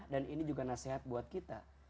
dan ini juga nasihat buat kita